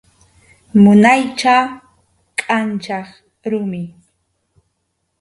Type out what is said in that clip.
Munaycha kʼanchaq rumi.